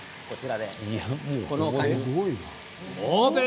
オープン！